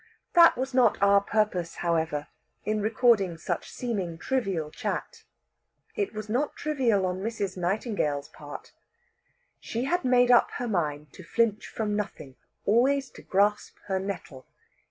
That was not our purpose, however, in recording such seeming trivial chat. It was not trivial on Mrs. Nightingale's part. She had made up her mind to flinch from nothing, always to grasp her nettle.